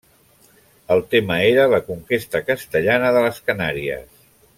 El tema era la conquesta castellana de les Canàries.